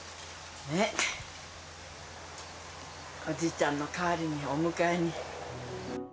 おじいちゃんの代わりにお迎えに。